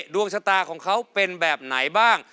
ดวงชะตาของเขาเป็นแบบไหนบ้าง